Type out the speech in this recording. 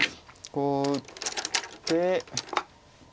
こう打って。